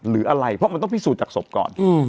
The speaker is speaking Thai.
หรืออะไรเพราะมันต้องพิสูจนจากศพก่อน